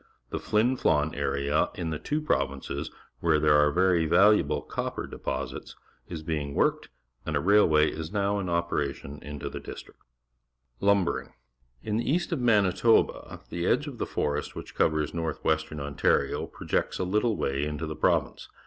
The Flin Fl on area in the two provinces, where there are very valuable copper deposits, is being worked, and a rail way is now in operation into the district. The Union Stock yards, St Boniface, Manitoba Lumbering. — In the east of Manitoba the edge of the forest, which covers north western Ontario projects a little way into the pro\'ince.